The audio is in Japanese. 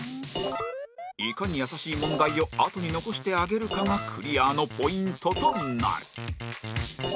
いかに易しい問題をあとに残してあげるかがクリアのポイントとなる